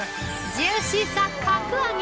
◆ジューシーさ格上げ。